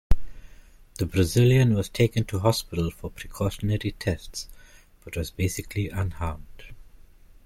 The Brazilian was taken to hospital for precautionary tests, but was basically unharmed.